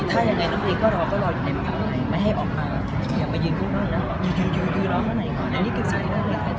ถ้ายังไงน้องเพลงก็รอก็รออยู่เด็ดไม่ให้ออกมาเดี๋ยวมายืนข้างนอกนะยืนรอเท่านั้นก่อนอันนี้ก็ใช้ได้หลายครับ